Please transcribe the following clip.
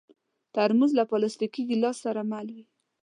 ترموز له پلاستيکي ګیلاس سره مل وي.